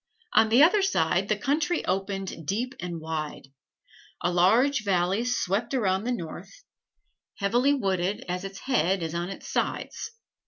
On the other side the country opened deep and wide. A large valley swept around to the north, heavily wooded at its head and on its sides.